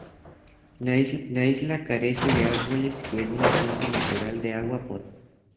La isla carece de árboles y de una fuente natural de agua potable.